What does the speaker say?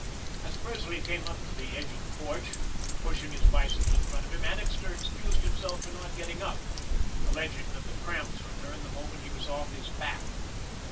As Presley came up to the edge of the porch, pushing his bicycle in front of him, Annixter excused himself for not getting up, alleging that the cramps returned the moment he was off his back.